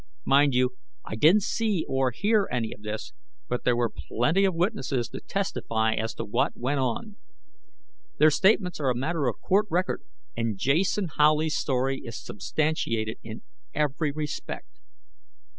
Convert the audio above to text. Mind you, I didn't see or hear any of this, but there were plenty of witnesses to testify as to what went on. Their statements are a matter of court record, and Jason Howley's story is substantiated in every respect.